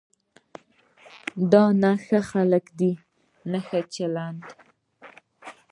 دا نه ښه خلک دي نه ښه چلند.